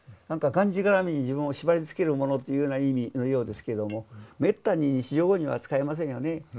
なんかがんじがらめに自分を縛りつけるものというような意味のようですけどもめったに日常語には使いませんよね。